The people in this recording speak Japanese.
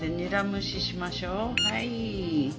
はい。